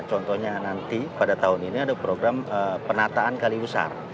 contohnya nanti pada tahun ini ada program penataan kali besar